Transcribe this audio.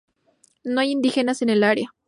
No hay indígenas en el área.